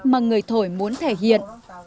mà người thổi muốn thể hiện